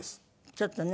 ちょっとね。